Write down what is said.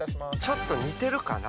ちょっと似てるかな？